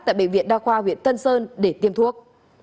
tại bệnh viện đa khoa huyện tân sơn để tiêm thuốc